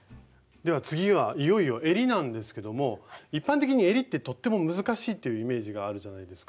では次はいよいよえりなんですけども一般的にえりってとっても難しいっていうイメージがあるじゃないですか。